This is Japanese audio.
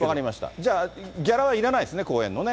じゃあ、ギャラはいらないですね、講演のね。